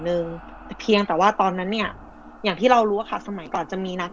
หนึ่งแต่เพียงแต่ว่าตอนนั้นเนี่ยอย่างที่เรารู้อะค่ะสมัยก่อนจะมีนัด